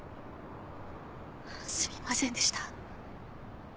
すみませんでした。